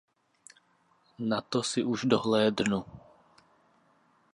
Na to si už dohlédnu.